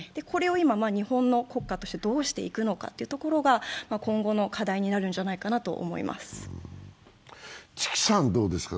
これを今、日本の国家としてどうしていくのかというところが今後の課題になるんじゃないかなと思います。